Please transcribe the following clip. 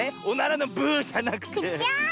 おならのブーじゃなくて。